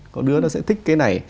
có đứa nó sẽ thích cái này